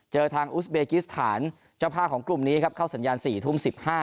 เจอทางอุสเบกิสถานเจ้าภาพของกลุ่มนี้ครับเข้าสัญญาณ๔ทุ่ม๑๕